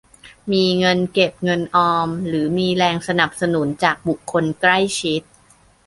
มีเงินเก็บเงินออมหรือมีแรงสนับสนุนจากบุคคลใกล้ชิด